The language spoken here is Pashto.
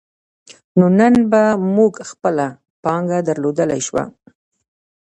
نو نن به موږ خپله پانګه درلودلای شو.